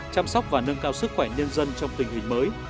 chăm sóc và nâng cao sức khỏe nhân dân trong tình hình mới